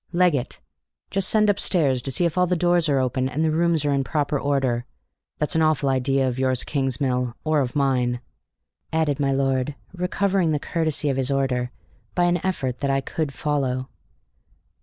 "Leggett! Just send up stairs to see if all the doors are open and the rooms in proper order. That's an awful idea of yours, Kingsmill, or of mine!" added my lord, recovering the courtesy of his order by an effort that I could follow.